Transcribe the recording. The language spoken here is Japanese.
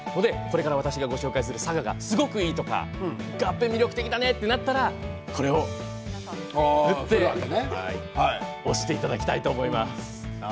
私が紹介する佐賀がすごくいいとかがっぺ魅力的だねとなったらこれを振っていただきたいと思います。